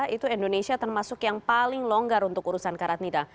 itu indonesia termasuk yang paling longgar untuk urusan karantina